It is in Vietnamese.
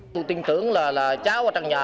tôi tin tưởng là cháu ở trong nhà